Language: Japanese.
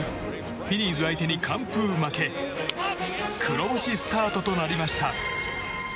フィリーズ相手に完封負け黒星スタートとなりました。